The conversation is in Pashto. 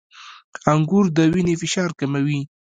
• انګور د وینې فشار کموي.